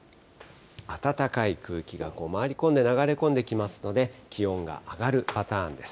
暖かい空気が回り込んで流れ込んできますので、気温が上がるパターンです。